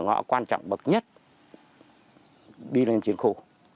chặn cái cửa ngõ quan trọng bậc nhất đi lên chiến khu